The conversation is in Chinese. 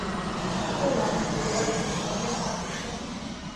布朗泽人口变化图示